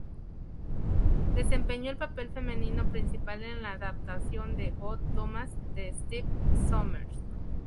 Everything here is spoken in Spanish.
Desempeñó el papel femenino principal en la adaptación de Odd Thomas de Stephen Sommers.